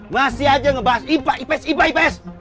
masih aja ngebahas ipa ipes ipa ipes